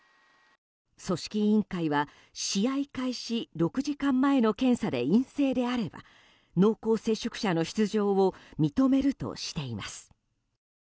組織委員会は試合開始６時間前の検査で陰性であれば濃厚接触者の出場を認めるとしています。